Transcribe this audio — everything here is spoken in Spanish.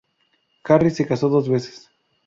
Harry se casó dos veces.